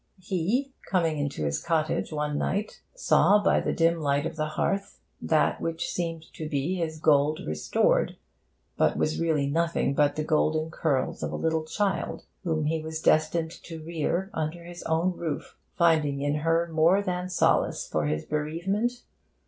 He, coming into his cottage one night, saw by the dim light of the hearth, that which seemed to be his gold restored, but was really nothing but the golden curls of a little child, whom he was destined to rear under his own roof, finding in her more than solace for his bereavement.